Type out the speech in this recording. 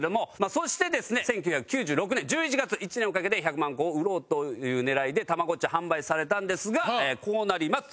そしてですね１９９６年１１月１年をかけて１００万個を売ろうという狙いでたまごっちは販売されたんですがこうなります。